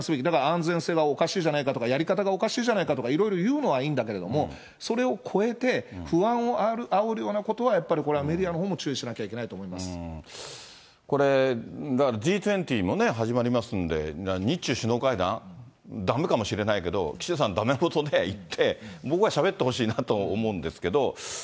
安全性はおかしいじゃないかとか、やり方がおかしいじゃないかとかいろいろ言うのはいいんだけども、それを超えて、不安をあおるようなことはやっぱりこれはメディアのほうも注意しこれ、だからＧ２０もね、始まりますんで、日中首脳会談、だめかもしれないけど、岸田さん、だめもとで行って、僕はしゃべってほしいなと思うんですけど。